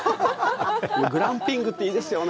グランピングっていいですよね。